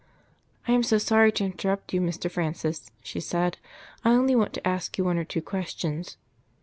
"I am so sorry to interrupt you, Mr. Francis," she said. "I only want to ask you one or two questions."